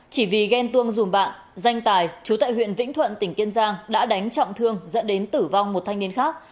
chỉ vì ghen tuông dùm bạn danh tài chú tại huyện vĩnh thuận tỉnh kiên giang đã đánh trọng thương dẫn đến tử vong một thanh niên khác